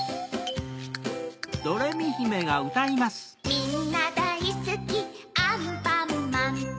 みんなだいすきアンパンマンと